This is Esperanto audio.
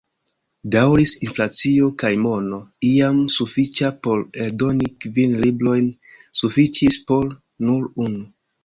Daŭris inflacio, kaj mono, iam sufiĉa por eldoni kvin librojn, sufiĉis por nur unu.